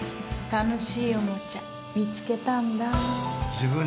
楽しいおもちゃ、見つけたんだ。